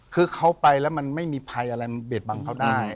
คือเขาไปแล้วไม่มีภัยอะไรเบียดบังของเขาได้